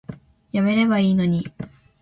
やめればいいのに